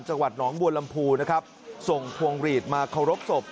จังหวัดหนองบัวลำพูนะครับส่งพวงหลีดมาเคารพศพ